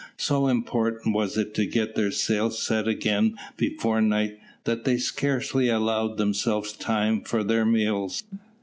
So important was it to get their sails set again before night, that they scarcely allowed themselves time for their meals.